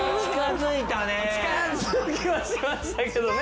近づきはしましたけどね。